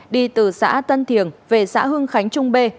đi từ xã tân thiền về xã hưng khánh trung b